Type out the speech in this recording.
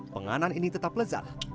penganan ini tetap lezat